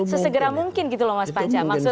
sesegera mungkin gitu loh mas panca